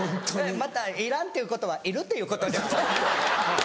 またいらんっていうことはいるっていうことじゃん。